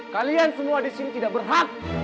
kalian semua di sini tidak berhak